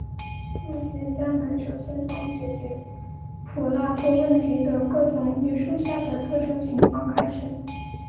数学家们首先从解决普拉托问题的各种约束下的特殊情况开始。